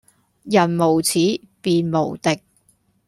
人無恥便無敵